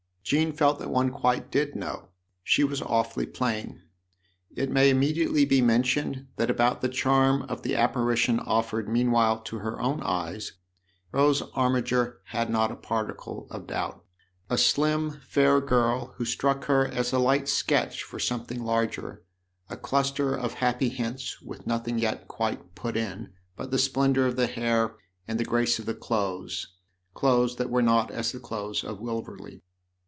Jean felt that one quite did know : she was awfully plain. It may immediately be mentioned that about the charm of the apparition offered meanwhile to her own eyes Rose Armiger had not a particle of doubt : a slim, fair girl who struck her as a light sketch for some thing larger, a cluster of happy hints with nothing yet quite " put in " but the splendour of the hair and the grace of the clothes clothes that were not as the clothes of Wilverley.